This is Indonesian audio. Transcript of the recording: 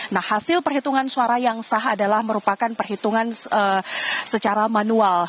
nah hasil perhitungan suara yang sah adalah merupakan perhitungan secara manual